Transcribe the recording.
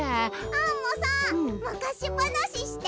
アンモさんむかしばなしして。